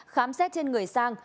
khám xét trên người sang